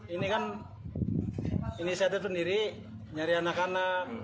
ini kan ini saya tuh sendiri nyari anak anak